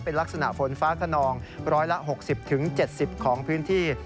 เป็นลักษณะฝนฟ้าคนองร้อยละ๖๐๗๐องศาเซลเซียสของพื้นที่